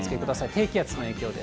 低気圧の影響です。